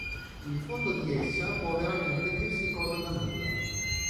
Il fondo di essa può veramente dirsi cosa da nulla.